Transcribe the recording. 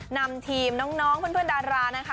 นำทีมน้องเพื่อนดารานะคะ